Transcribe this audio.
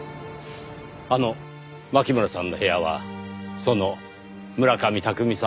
あの牧村さんの部屋はその村上巧さんの部屋。